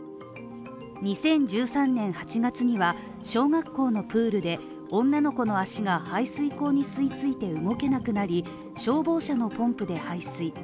２０１３年８月には小学校のプールで女の子の足が排水口に吸いついて動けなくなり、消防車のポンプで排水。